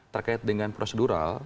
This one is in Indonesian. terkait dengan prosedural